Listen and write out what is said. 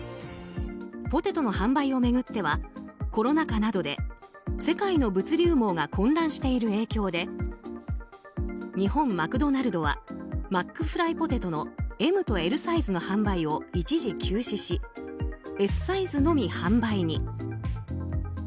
ポテトの販売を巡ってはコロナ禍などで世界の物流網が混乱している影響で日本マクドナルドはマックフライポテトのＭとＬサイズの販売を一時休止しＳサイズのみ販売に。